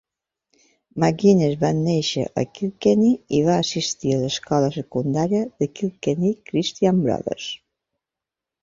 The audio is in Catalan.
McGuinness va néixer a Kilkenny i va assistir a l'escola secundària Kilkenny Christian Brothers.